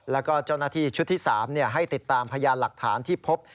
แล้วก็เจ้าหน้าที่ชุดที่๓ให้ติดตามพยานหลักฐานที่พบ